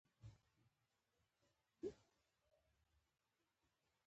د کورنۍ دندې په توګه د مرستې په اړه کیسه ډوله لیکنه وکړي.